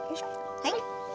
はい。